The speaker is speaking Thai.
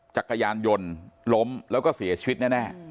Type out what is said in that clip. จักรยานยนต์ล้มแล้วก็เสียชีวิตแน่